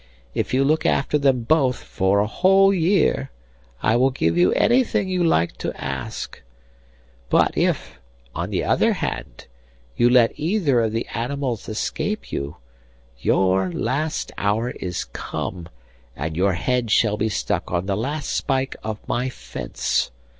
If you look after them both for a whole year I will give you anything you like to ask; but if, on the other hand, you let either of the animals escape you, your last hour is come, and your head shall be stuck on the last spike of my fence.